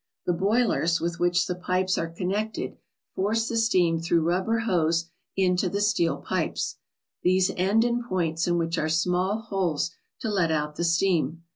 The boilers with which the pipes are connected force the steam through rubber hose into the steel pipes. These end in points in which are small holes to let out the steam.